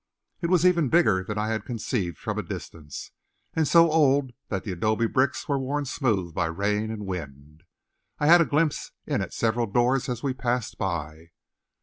It was even bigger than I had conceived from a distance, and so old that the adobe bricks were worn smooth by rain and wind. I had a glimpse in at several doors as we passed by.